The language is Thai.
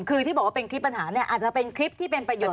คือที่บอกว่าเป็นคลิปปัญหาเนี่ยอาจจะเป็นคลิปที่เป็นประโยชน